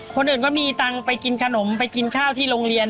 คนอื่นก็มีตังค์ไปกินขนมไปกินข้าวที่โรงเรียน